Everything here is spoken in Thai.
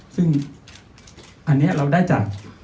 ซึ่งอันนี้เราได้จาก